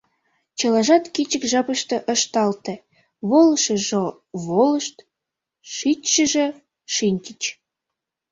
Чылажат кӱчык жапыште ышталте: волышыжо волышт, шичшыже шинчыч.